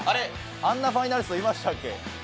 あんなファイナリストいましたっけ？